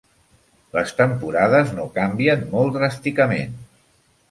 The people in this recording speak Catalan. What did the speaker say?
Les temporades no canvien molt dràsticament.